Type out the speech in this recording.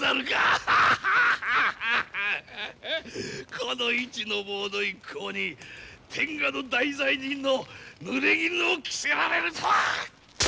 この市の坊の一行に天下の大罪人のぬれぎぬを着せられるとは！